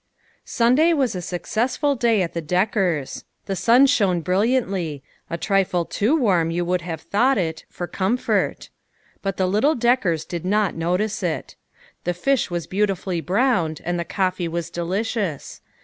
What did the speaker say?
UNDAY was a successful day at the Deck ei*s. The sun shone brilliantly; a trifle too warm, you might have thought it, for comfort ; but the little Deckers did not notice it. The fish was beautifully browned and the coffee was delicious.